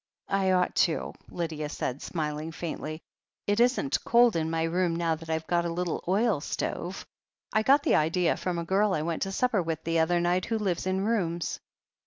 "I ought to," Lydia said, smiling faintly. "It isn't cold in my room now that I've got a little oil stove. I got the idea from a girl I went to supper with the other night, who lives in rooms."